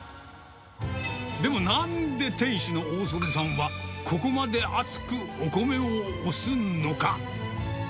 でもなんで、店主の大曽根さんは、ここまで熱くお米を推すのか。